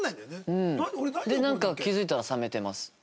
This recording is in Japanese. でなんか気づいたら冷めてます。